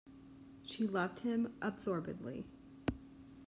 She loved him absorbedly.